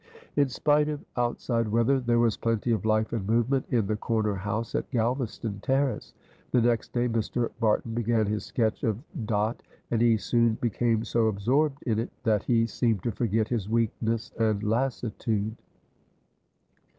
In spite of outside weather, there was plenty of life and movement in the corner house at Galvaston Terrace. The next day Mr. Barton began his sketch of Dot, and he soon became so absorbed in it that he seemed to forget his weakness and lassitude.